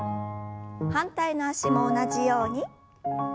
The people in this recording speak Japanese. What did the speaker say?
反対の脚も同じように。